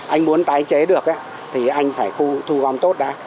anh muốn tái chế được á thì anh phải thu gom tốt đã